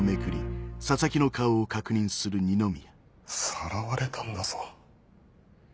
さらわれたんだぞ。